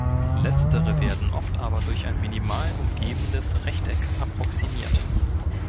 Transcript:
Letztere werden oft aber durch ein minimal umgebendes Rechteck approximiert.